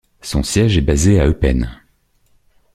Son siège est basé à Eupen.